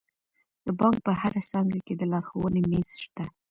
د بانک په هره څانګه کې د لارښوونې میز شته.